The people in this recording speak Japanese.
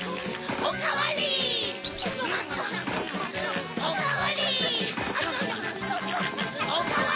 おかわり！